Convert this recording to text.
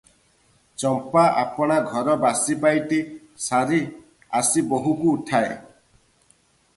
ଚମ୍ପା ଆପଣା ଘର ବାସିପାଇଟି ସାରି ଆସି ବୋହୁକୁ ଉଠାଏ ।